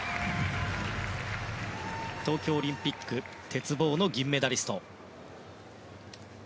東京オリンピック鉄棒の銀メダリスト。